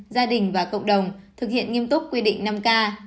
gia đình và cộng đồng thực hiện nghiêm túc quy định năm k